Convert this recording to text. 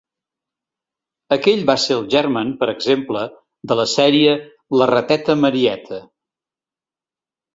Aquell va ser el germen, per exemple, de la sèrie ‘La rateta Marieta’.